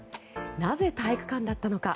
なぜ体育館だったのか。